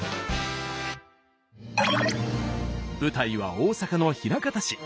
舞台は大阪の枚方市。